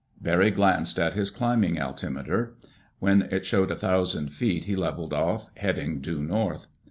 Barry glanced at his climbing altimeter. When it showed a thousand feet he leveled off, heading due north.